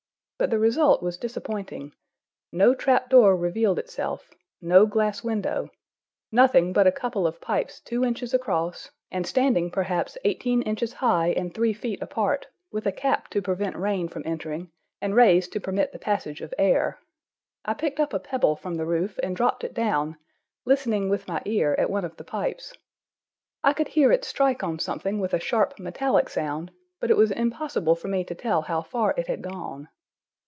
But the result was disappointing; no trap door revealed itself, no glass window; nothing but a couple of pipes two inches across, and standing perhaps eighteen inches high and three feet apart, with a cap to prevent rain from entering and raised to permit the passage of air. I picked up a pebble from the roof and dropped it down, listening with my ear at one of the pipes. I could hear it strike on something with a sharp, metallic sound, but it was impossible for me to tell how far it had gone.